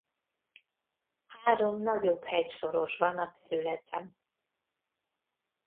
Három nagyobb hegyszoros van a területen.